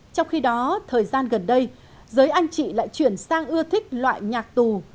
trong khi đó thời gian gần đây giới anh chị lại chuyển sang ưa thích loại nhạc tù